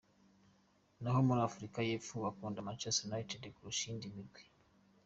Naho muri Afrika y'epfo bakunda Manchester United kurusha iyindi mirwi.